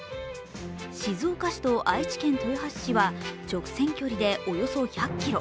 静岡市と愛知県豊橋市は直線距離でおよそ１００ｋｍ。